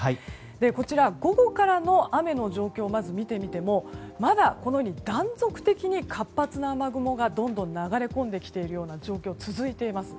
こちら、午後からの雨の状況をまず見てみてもまだ断続的に活発な雨雲がどんどんと流れ込んできている状況が続いています。